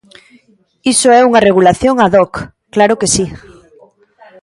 Iso é unha regulación ad hoc, ¡claro que si!